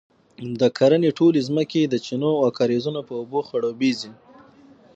د کرنې ټولې ځمکې یې د چینو او کاریزونو په اوبو خړوبیږي،